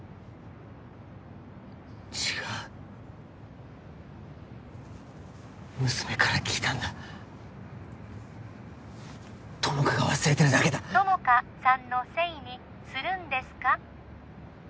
違う娘から聞いたんだ友果が忘れてるだけだ友果さんのせいにするんですか？